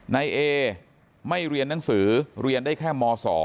นายเอไม่เรียนหนังสือเรียนได้แค่ม๒